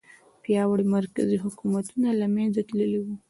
پیاوړي مرکزي حکومتونه له منځه تللي وو.